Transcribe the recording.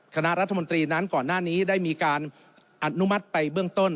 คณะรัฐมนตรีนั้นก่อนหน้านี้ได้มีการอนุมัติไปเบื้องต้น